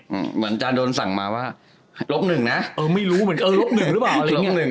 เหมือนจะโดนสั่งมาว่าลบหนึ่งนะเออไม่รู้เหมือนกันเออลบหนึ่งหรือเปล่าอะไรอย่างหนึ่ง